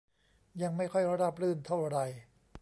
ยังไม่ค่อยราบรื่นเท่าไหร่